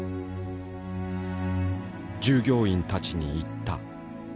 従業員たちに言った。